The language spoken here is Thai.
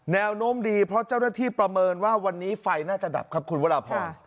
แนวโน้มดีเพราะเจ้าหน้าที่ประเมินว่าวันนี้ไฟน่าจะดับครับคุณวรพร